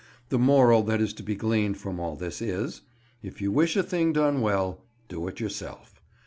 The moral that is to be gleaned from all this is: If you wish a thing done well, do it yourself.